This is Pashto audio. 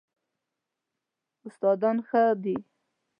استادان ښه دي؟